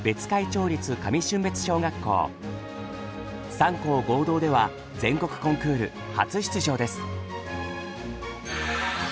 ３校合同では全国コンクール初出場です。